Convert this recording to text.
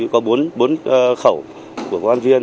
có bốn khẩu của công an viên